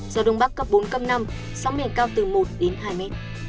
gió đông bắc cấp bốn cấp năm sóng bền cao từ một hai m